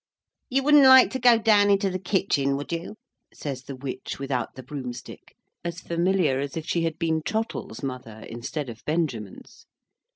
"You wouldn't like to go down into the kitchen, would you?" says the witch without the broomstick, as familiar as if she had been Trottle's mother, instead of Benjamin's.